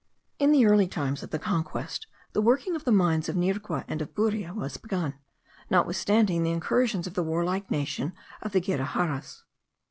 In the early times of the conquest the working of the mines of Nirgua and of Buria* was begun, notwithstanding the incursions of the warlike nation of the Giraharas.